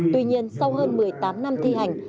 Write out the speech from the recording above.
tuy nhiên sau hơn một mươi tám năm thi hành